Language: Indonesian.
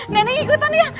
neneng ikutan ya